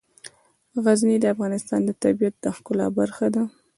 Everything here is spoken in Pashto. غزني د افغانستان د طبیعت د ښکلا برخه ده.